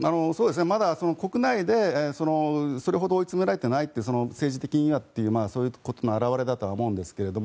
まだ国内で、それほど追い詰められていないという政治的にはというそういうことの表れだと思うんですが